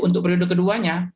untuk periode keduanya